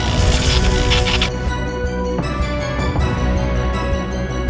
aku akan menang